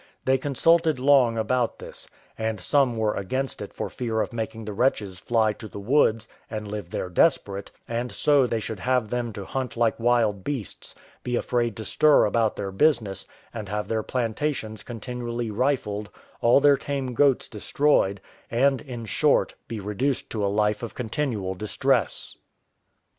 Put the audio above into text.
They consulted long about this; and some were against it for fear of making the wretches fly to the woods and live there desperate, and so they should have them to hunt like wild beasts, be afraid to stir out about their business, and have their plantations continually rifled, all their tame goats destroyed, and, in short, be reduced to a life of continual distress.